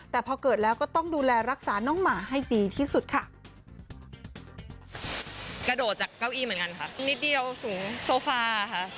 ถ้าเล็กหว่าเขาร้องทีเราเห็นตาเขามันล้องไม่หยุด